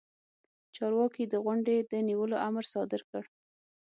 چارواکي د غونډې د نیولو امر صادر کړ.